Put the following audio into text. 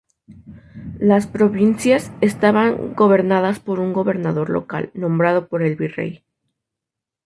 Las "Provincias" estaban gobernadas por un gobernador local, nombrado por el Virrey.